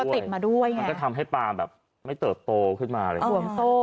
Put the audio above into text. มันก็ติดมาด้วยไงมันก็ทำให้ปลาแบบไม่เติบโตขึ้นมาเลยอ๋อส่วนโต